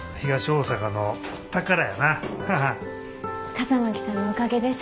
笠巻さんのおかげです。